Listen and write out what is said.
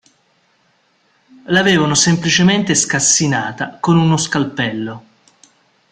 L'avevano semplicemente scassinata con uno scalpello.